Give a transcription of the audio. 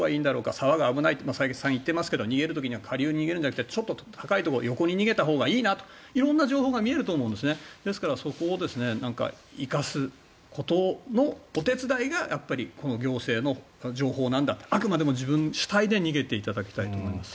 沢は危ないとか逃げる時には下流に逃げるんじゃなくて横に逃げたほうがいいなとか色んな情報が見えると思うのでそこを生かすことのお手伝いが行政の情報なんだと。あくまでも自分主体で逃げていただきたいと思います。